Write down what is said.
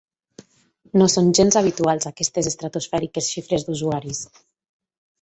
No són gens habituals, aquestes estratosfèriques xifres d’usuaris.